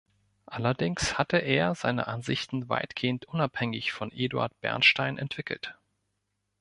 Allerdings hatte er seine Ansichten weitgehend unabhängig von Eduard Bernstein entwickelt.